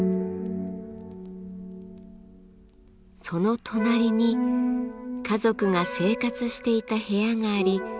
その隣に家族が生活していた部屋があり